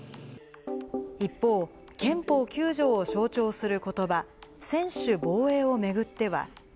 一方、憲法９条を象徴するコトバ、専守防衛を巡っては。